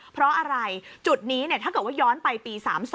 เพราะอะไรจุดนี้ถ้าเกิดว่าย้อนไปปี๓๒